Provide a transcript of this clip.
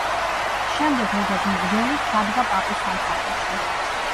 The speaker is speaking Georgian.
შემდეგ როგორც მღვდელი ჩადგა პაპის სამსახურში.